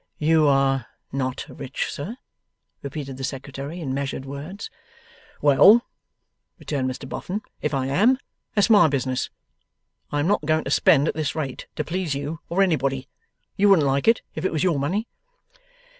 'You are not rich, sir?' repeated the Secretary, in measured words. 'Well,' returned Mr Boffin, 'if I am, that's my business. I am not going to spend at this rate, to please you, or anybody. You wouldn't like it, if it was your money.